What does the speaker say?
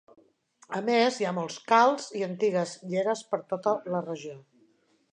A més, hi ha molts Khals i antigues lleres per tota la regió.